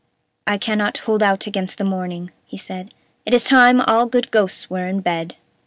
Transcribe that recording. "I cannot hold out against the morning," he said; "it is time all good ghosts were in bed."